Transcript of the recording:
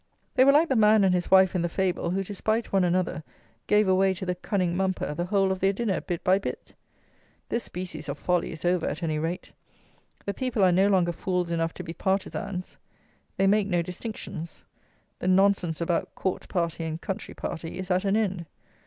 They were like the man and his wife in the fable, who, to spite one another, gave away to the cunning mumper the whole of their dinner bit by bit. This species of folly is over at any rate. The people are no longer fools enough to be partisans. They make no distinctions. The nonsense about "court party" and "country party" is at an end.